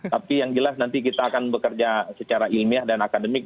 tapi yang jelas nanti kita akan bekerja secara ilmiah dan akademik